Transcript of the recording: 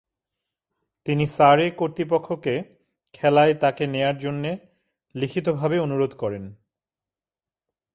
তিনি সারে কর্তৃপক্ষকে খেলায় তাকে নেয়ার জন্যে লিখিতভাবে অনুরোধ করেন।